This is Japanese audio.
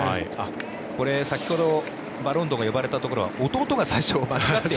これ先ほどバロンドが呼ばれたところは弟が最初、間違って。